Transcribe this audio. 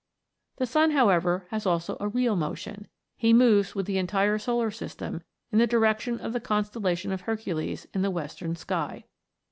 The sun, how ever, has also a real motion : he moves with the entire solar system in the direction of the constellation of Hercules in the western sky.